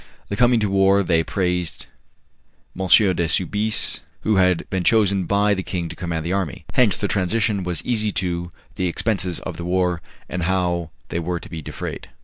Then coming to war they praised M. de Soubise, who had been chosen by the king to command the army. Hence the transition was easy to the expenses of the war, and how they were to be defrayed.